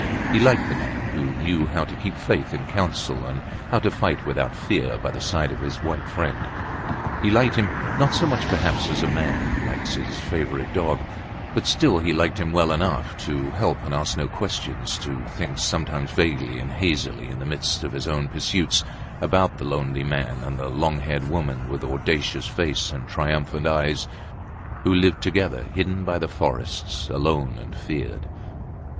He liked the man who knew how to keep faith in council and how to fight without fear by the side of his white friend. He liked him not so much perhaps as a man likes his favourite dog but still he liked him well enough to help and ask no questions, to think sometimes vaguely and hazily in the midst of his own pursuits, about the lonely man and the long haired woman with audacious face and triumphant eyes, who lived together hidden by the forests alone and feared.